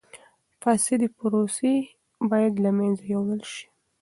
فاسدی پروسې باید له منځه یوړل شي.